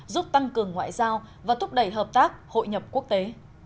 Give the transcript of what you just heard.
giúp tăng cường ngoại giao và thúc đẩy hợp tác hội nhập quốc tế